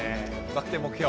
バク転目標？